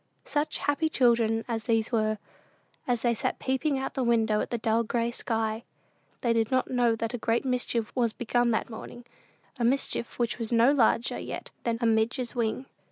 Such happy children as these were, as they sat peeping out of the window at the dull gray sky! They did not know that a great mischief was begun that morning a mischief which was no larger yet than "a midge's wing."